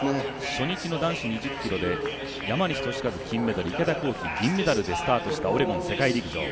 初日の男子２０ｋｍで山西利和、金メダル池田向希、銀メダルでスタートしたオレゴン世界陸上。